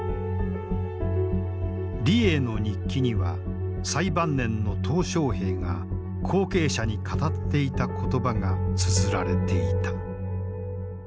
李鋭の日記には最晩年の小平が後継者に語っていた言葉がつづられていた。